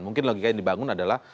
mungkin logika yang dibangun adalah